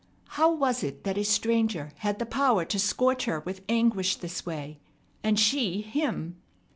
How was it that a stranger had the power to scorch her with anguish this way? And she him?